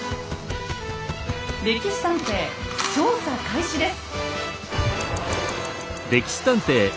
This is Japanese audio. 「歴史探偵」調査開始です。